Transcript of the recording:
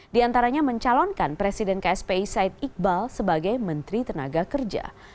diantaranya mencalonkan presiden ksp said iqbal sebagai menteri tenaga kerja